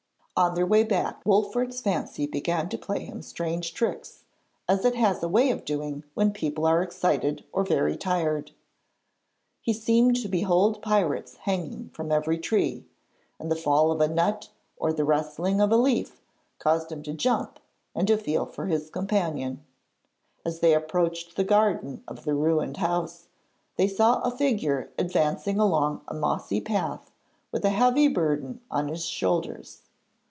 On their way back Wolfert's fancy began to play him strange tricks, as it has a way of doing when people are excited or very tired. He seemed to behold pirates hanging from every tree, and the fall of a nut or the rustling of a leaf caused him to jump and to feel for his companion. As they approached the garden of the ruined house, they saw a figure advancing along a mossy path with a heavy burden on his shoulders.